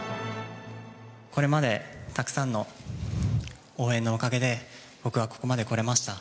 これまでたくさんの応援のおかげで、僕はここまで来れました。